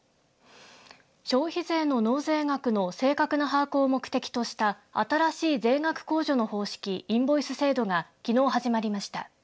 消費税の納税額の正確な把握を目的とした新しい税額控除の方式インボイス制度がきのう始まりました。